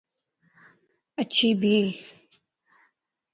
اڇي ڀي